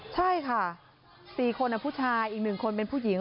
ใช่ค่ะ๔คนผู้ชายอีก๑คนเป็นผู้หญิง